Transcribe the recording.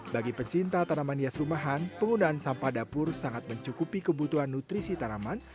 bagi pecinta tanaman hias rumahan penggunaan sampah dapur sangat mencukupi kebutuhan nutrisi tanaman